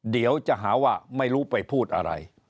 เดี๋ยวจะหาว่าไม่รู้ไปพูดอะไร